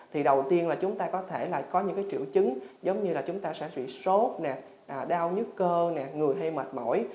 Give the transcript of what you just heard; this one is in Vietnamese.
thì đầu tiên là chúng ta có thể có những triệu chứng giống như là chúng ta sẽ bị sốt đau nhứt cơ người hay mệt mỏi